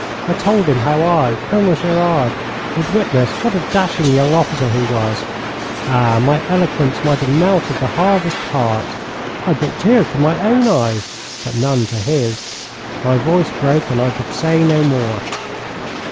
I told him how I, Colonel Gerard, would witness what a dashing young officer he was. Ah, my eloquence might have melted the hardest heart; I brought tears to my own eyes, but none to his. My voice broke, and I could say no more.